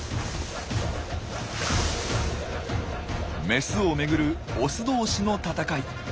メスをめぐるオス同士の戦い。